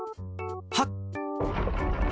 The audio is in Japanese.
はっ！